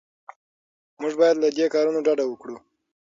موږ باید له دې کارونو ډډه وکړو.